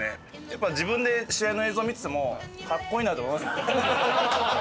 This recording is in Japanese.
やっぱ自分で試合の映像見てても格好いいなと思いますもんね。